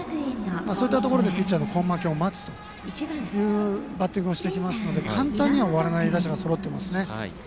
そういったところでピッチャーの根負けを待つというバッティングをしてきますので簡単には終わらない打者がそろってますね。